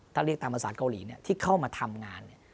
ถ้าเรียกตามภาษาเกาหลีที่เข้ามาทำงาน